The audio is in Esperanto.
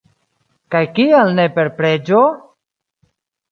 Kaj kial ne per preĝo?!